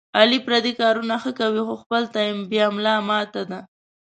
علي پردي کارونه ښه کوي، خو خپل ته یې بیا ملا ماته ده.